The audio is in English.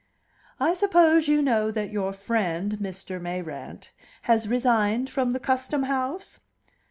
"I suppose you know that your friend, Mr. Mayrant, has resigned from the Custom House?"